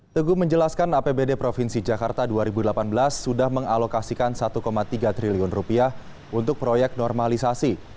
teguh menjelaskan apbd provinsi jakarta dua ribu delapan belas sudah mengalokasikan rp satu tiga triliun rupiah untuk proyek normalisasi